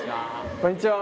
こんにちは。